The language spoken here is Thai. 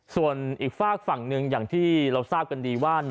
ส่วนอีกฝากฝั่งหนึ่งอย่างที่เราทราบกันดีว่า